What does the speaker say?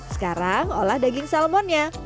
sekarang olah daging salmonnya